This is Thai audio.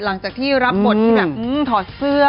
หลังจากที่รับบททอดเสื้อ